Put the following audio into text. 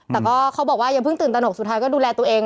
แต่ก็เขาบอกว่าอย่าเพิ่งตื่นตนกสุดท้ายก็ดูแลตัวเอง